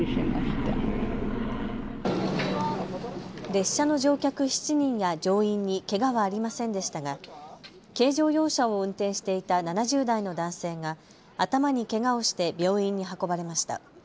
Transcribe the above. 列車の乗客７人や乗員にけがはありませんでしたが軽乗用車を運転していた７０代の男性が頭にけがをして病院に運ばれました。